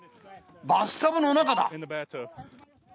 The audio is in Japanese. バスタブの中だ。